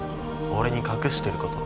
俺に隠してること。